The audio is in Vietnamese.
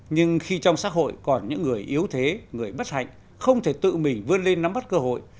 nhưng khi trong xã hội còn những người yếu thế người bất hạnh không thể tự mình vươn lên nắm bắt cơ hội